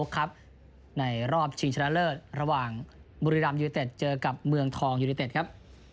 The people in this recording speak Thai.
ครับในรอบชิงชนะเลิศระหว่างบุรีรัมยูนิเต็ดเจอกับเมืองทองยูนิเต็ดครับ